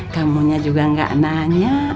kamu juga gak nanya